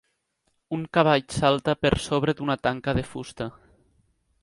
Un cavall salta per sobre d'una tanca de fusta.